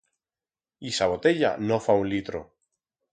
Ixa botella no fa un litro.